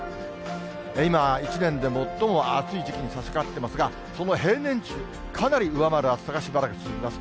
今は一年で最も暑い時期にさしかかってますが、その平年値、かなり上回る暑さがしばらく続きます。